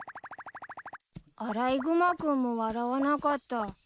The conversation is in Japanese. アライグマ君も笑わなかった。